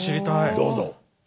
どうぞ。